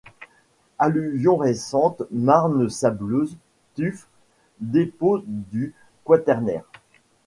Alluvions récentes, marnes sableuses, tuf, dépôts du quaternaire.